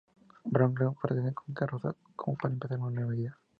Brownlow parten en carroza para empezar una nueva vida.